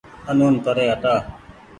آنون پري هٽآ